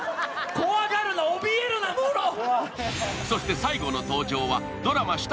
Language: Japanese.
そして最後の登場はドラマ